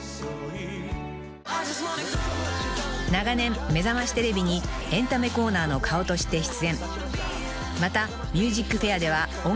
［長年『めざましテレビ』にエンタメコーナーの顔として出演］